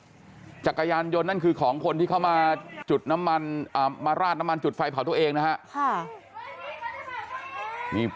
นั่นใช่จักรยานหย่อนนั่นคือของคนที่เข้ามาราดน้ำมันจุดไฟเพาตัวเองนะครับ